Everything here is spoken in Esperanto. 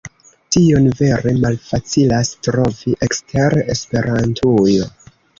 Tion vere malfacilas trovi ekster Esperantujo.